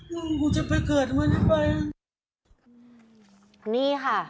มึงกูจะไปเกิดเวลานี้ไป